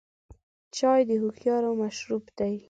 چای د هوښیارو مشروب دی.